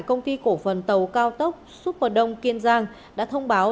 công ty cổ phần tàu cao tốc superdong kiên giang đã thông báo